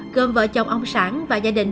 gồm vợ chồng ông sản và gia đình